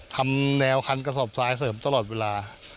ทำแนวคันกระสอบทรายเสริมตลอดเวลา